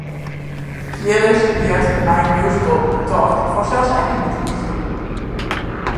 Fierders heart de nije musical ‘De Tocht’ fansels ek yn dit rychje.